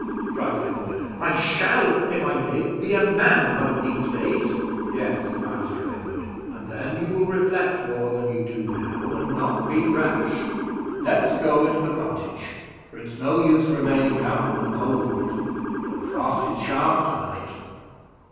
cried Edward; "I shall, if I live, be a man one of these days." "Yes, Master Edward, and then you will reflect more than you do now, and not be rash. Let us go into the cottage, for it's no use remaining out in the cold; the frost is sharp to night."